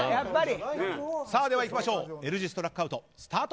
では、いきましょうＬ字ストラックアウトスタート！